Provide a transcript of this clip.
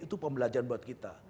itu pembelajaran buat kita